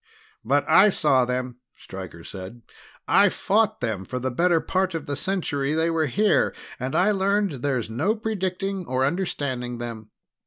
"But I saw them," Stryker said. "I fought them for the better part of the century they were here, and I learned there's no predicting nor understanding them.